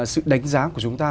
sự đánh giá của chúng ta